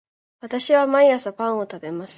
私は毎朝パンを食べます